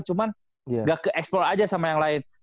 cuma gak ke eksplor aja sama yang lain